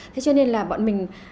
thế cho nên là bọn mình